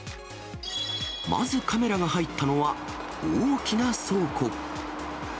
まずカメラが入ったのは、大きな倉庫。